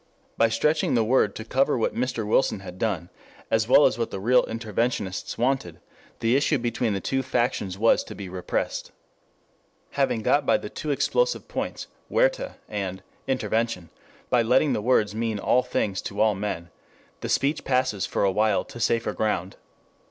By stretching the word to cover what Mr. Wilson had done, as well as what the real interventionists wanted, the issue between the two factions was to be repressed. Having got by the two explosive points "Huerta" and "intervention" by letting the words mean all things to all men, the speech passes for a while to safer ground.